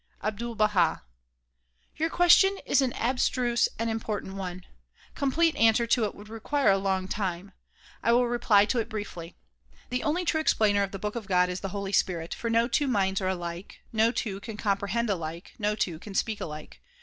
Abdul Baha: Your question is an abstruse and important one. Complete answer to it would require a long time. I will reply to it briefly. The only true explainer of the book of God is the Holy Spirit, for no two minds are alike, no two can comprehend alike, no two can speak alike.